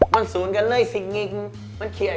ฟังจริงปะเนี่ย